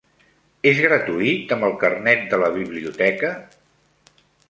És gratuït amb el carnet de la biblioteca?